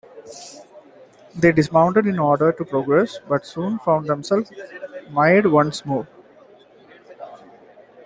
They dismounted in order to progress, but soon found themselves mired once more.